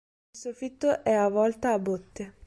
Il soffitto è a volta a botte.